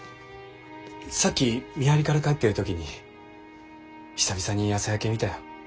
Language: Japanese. さっき見張りから帰ってる時に久々に朝焼け見たよ。